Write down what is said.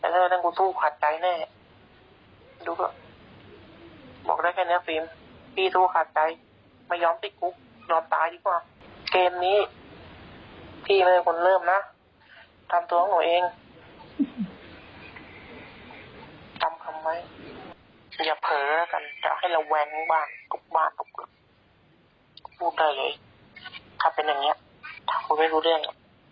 แล้วโทษนะถามตัวของหนูเอง